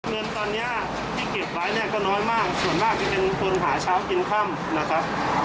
เงินตอนนี้ที่เก็บไว้เนี่ยก็น้อยมากส่วนมากที่เป็นคนหาเช้ากินค่ำนะครับ